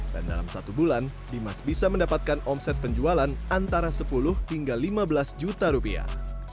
dan dalam satu bulan timas bisa mendapatkan omset penjualan antara sepuluh hingga lima belas juta rupiah